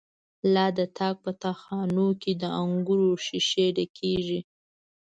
لا د تاک په تا خانو کی، دانګور ښيښی ډکيږی